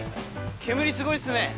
煙すごいっすね。